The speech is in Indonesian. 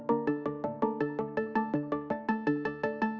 oh bukan yang ini